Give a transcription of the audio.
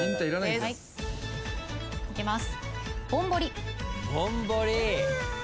いきます。